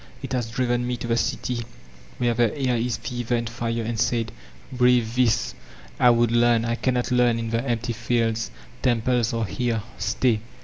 It has driven me to the city, where the air is fever and fire, and said, ''Breathe this; — ^I would learn; I cannot learn in the empty fields; temples are here, — stay."